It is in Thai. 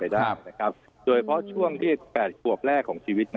โดยเฉือนที่แปดหัวแรกชีวิต